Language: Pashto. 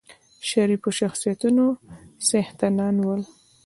شریفو شخصیتونو څښتنان ول.